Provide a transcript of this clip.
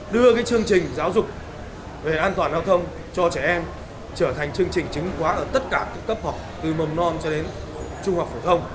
đưa chương trình giáo dục về an toàn giao thông cho trẻ em trở thành chương trình chính quá ở tất cả các cấp học từ mầm non cho đến trung học phổ thông